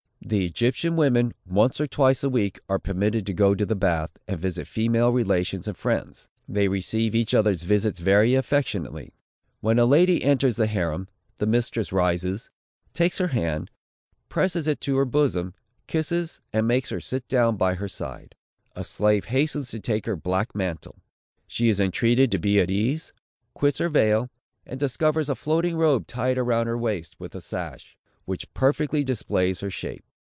The Egyptian women, once or twice a week, are permitted to go to the bath, and visit female relations and friends. They receive each other's visits very affectionately. When a lady enters the harem, the mistress rises, takes her hand, presses it to her bosom, kisses, and makes her sit down by her side; a slave hastens to take her black mantle; she is entreated to be at ease, quits her veil, and discovers a floating robe tied round her waist with a sash, which perfectly displays her shape.